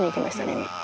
今。